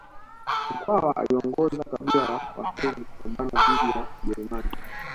mkwawa aliongoza kabila la wahehe kupambana dhidi ya wajerumani